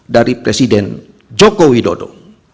dari presiden joko widodo